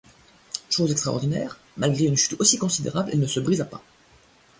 Chose extraordinaire, malgré une chute aussi considérable elle ne se brisa pas.